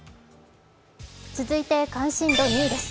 続いて関心度２位です